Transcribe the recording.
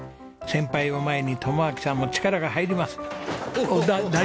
先輩を前に友晃さんも力が入ります。